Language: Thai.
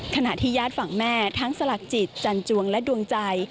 ขณะที่ญาติฝั่งแม่ทั้งสลักจิตจันจวงและดวงใจ